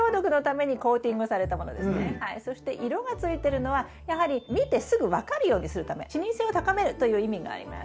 そして色がついてるのはやはり見てすぐ分かるようにするため視認性を高めるという意味があります。